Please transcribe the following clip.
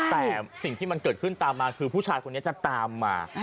แต่สิ่งที่มันเกิดขึ้นตามมาคือผู้ชายคนนี้จะตามมา